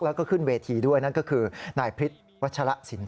แล้วก็ขึ้นเวทีด้วยนั่นก็คือนายพฤษวัชละสิน